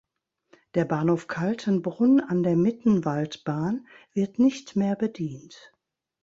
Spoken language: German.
Der Bahnhof Kaltenbrunn an der Mittenwaldbahn wird nicht mehr bedient.